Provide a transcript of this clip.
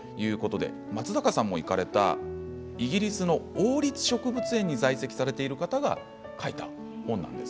松坂さんも行かれたイギリスの王立植物園に在籍されている方が書いた本なんです。